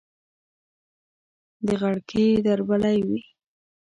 د غړکې دربلۍ وي